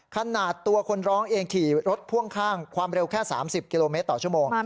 ขนาดตัวคนร้องเองขี่รถพ่วงข้างความเร็วแค่๓๐กิโลเมตรต่อชั่วโมง